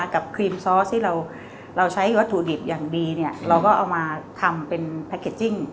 ครีมซอสที่เราใช้วัตถุดิบอย่างดีเนี่ยเราก็เอามาทำเป็นแพ็คเกจจิ้ง